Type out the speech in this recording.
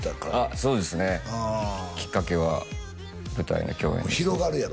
そうですねきっかけは舞台の共演ですね広がるやろ？